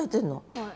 はい。